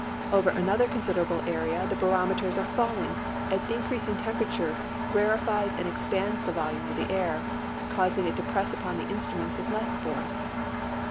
Over another considerable area the l)arom eters are falling, as increasing temperature rarefies and expands the volume of the air, causing it to press upon the instruments with less force.